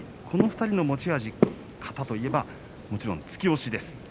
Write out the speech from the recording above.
この２人の持ち味型といえばもちろん突き押しです。